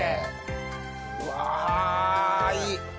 うわいい！